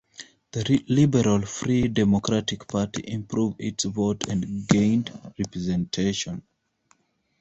The liberal Free Democratic Party improved its vote and gained representation.